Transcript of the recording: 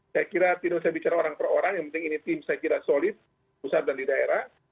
saya kira tidak saya bicara orang per orang yang penting ini tim saya kira solid pusat dan di daerah